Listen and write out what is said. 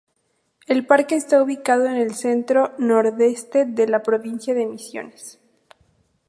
El parque está ubicado en el centro-nordeste de la provincia de Misiones.